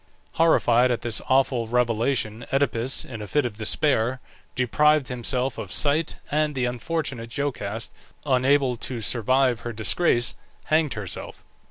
Horrified at this awful revelation Oedipus, in a fit of despair, deprived himself of sight, and the unfortunate Jocaste, unable to survive her disgrace, hanged herself.